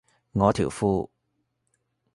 我條褲